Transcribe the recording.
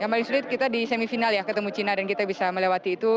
yang paling sulit kita di semifinal ya ketemu china dan kita bisa melewati itu